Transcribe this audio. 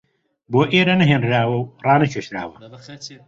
بۆ ئێرە نەهێنراوە و ڕانەکێشراوە